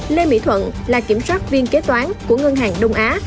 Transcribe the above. lê mỹ thuận là kiểm soát viên kế toán của ngân hàng đông á